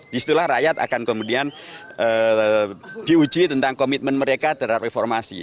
disitulah rakyat akan kemudian diuji tentang komitmen mereka terhadap reformasi